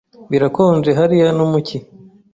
Birakonje hariya no mu cyi.